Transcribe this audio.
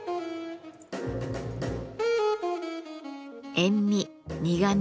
塩味苦み